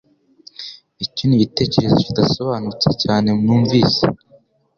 Icyo ni igitekerezo kidasobanutse cyane numvise